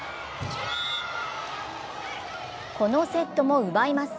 このセットも奪います。